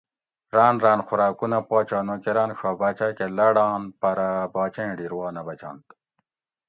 راۤن راۤن خوراکونہ پاچا نوکراۤن ڛا باۤچاۤ کہ لاڑان پرہ باچیں ڈیر وا نہ بچنت